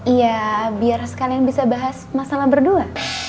iya biar sekalian bisa bahas masalah berdua